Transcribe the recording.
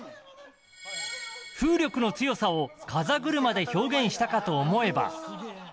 風力の強さを風車で表現したかと思えば。